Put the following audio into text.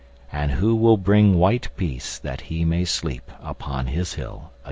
And who will bring white peaceThat he may sleep upon his hill again?